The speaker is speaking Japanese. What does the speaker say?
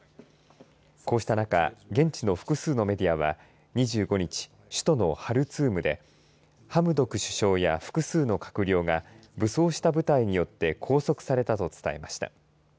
こうした中現地の複数のメディアは２５日、首都のハルツームでハムドク首相や複数の閣僚が武装した部隊によって拘束されたと伝えました。